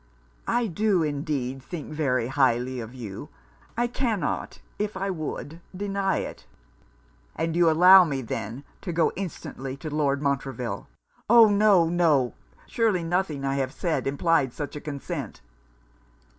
'I do indeed think very highly of you. I cannot, if I would, deny it.' 'And you allow me, then, to go instantly to Lord Montreville?' 'Oh! no! no! surely nothing I have said implied such a consent.'